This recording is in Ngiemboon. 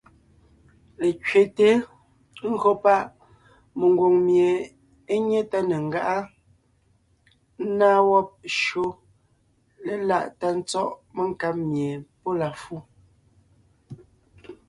Lekẅeté (ńgÿo páʼ ) mengwòŋ mie é nyé tá ne ńgáʼa, ńnáa wɔ́b shÿó léláʼ tá tsɔ́ʼ menkáb mie pɔ́ la fu,